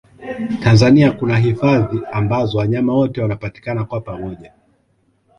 tanzania kuna hifadhi ambazo wanyama wote wanapatikana kwa pamoja